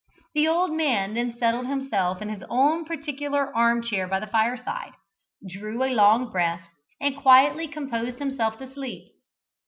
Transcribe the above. The old man then settled himself in his own particular arm chair by the fireside, drew a long breath, and quietly composed himself to sleep.